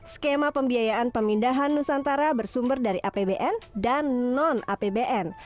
skema pembiayaan pemindahan nusantara bersumber dari apbn dan non apbn